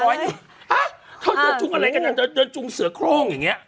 ห้ะเขาเดินจุงอะไรกันนะเดินจุงเสือโครงอย่างเงี้ย